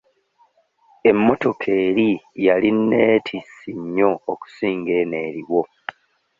Emmotoka eri yali neetissi nnyo okusinga eno eriwo.